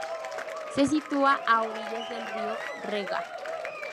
Se sitúa a orillas del río Rega.